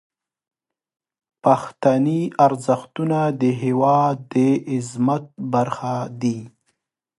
پښتني ارزښتونه د هیواد د عظمت برخه دي.